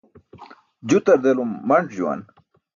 Jutar delum manc̣ juwan.